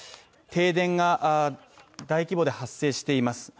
停電が大規模で発生しています